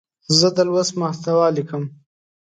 زه د لوست محتوا لیکم.